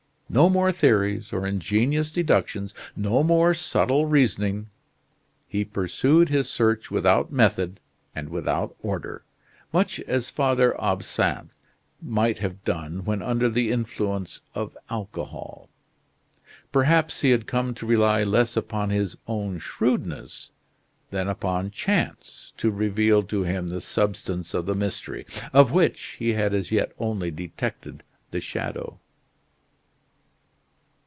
No more theories, or ingenious deductions, no more subtle reasoning. He pursued his search without method and without order much as Father Absinthe might have done when under the influence of alcohol. Perhaps he had come to rely less upon his own shrewdness than upon chance to reveal to him the substance of the mystery, of which he had as yet only detected the shadow.